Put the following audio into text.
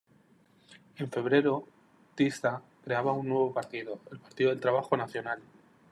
En febrero Tisza creaba un nuevo partido, el Partido del Trabajo Nacional.